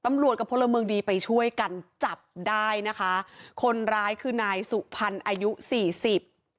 ตำรวจกับพลเมืองดีไปช่วยกันจับได้นะคะคนร้ายคือนายสุพรรณอายุสี่สิบ